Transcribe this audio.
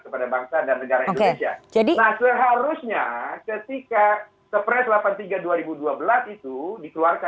padahal itu tidak ada dasar hukumnya